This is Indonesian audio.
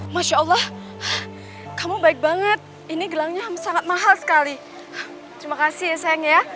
masya allah kamu baik banget ini gelangnya sangat mahal sekali terima kasih sayang ya